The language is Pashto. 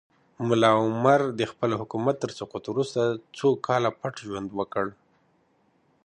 ملا محمد عمر د خپل حکومت تر سقوط وروسته څو کاله پټ ژوند وکړ.